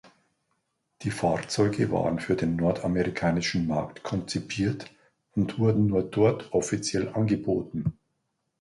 Die Fahrzeuge waren für den nordamerikanischen Markt konzipiert und wurden nur dort offiziell angeboten.